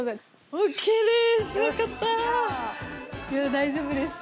大丈夫でした。